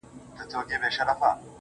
اوس كرۍ ورځ زه شاعري كومه,